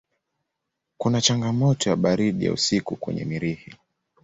Kuna changamoto ya baridi ya usiku kwenye Mirihi.